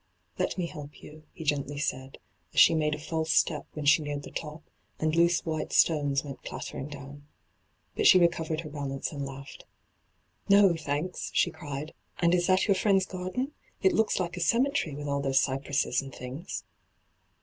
* I^et me help you,' he gently said, as she made a false step when she neared the top, and loose white stones went clattering down. But she recovered her balance and laughed. ' No, thanks,' she cried. ' And is that your friend's garden ? It looks Uke a cemetery, with all those cypresses and things.'